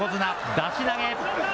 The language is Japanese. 出し投げ。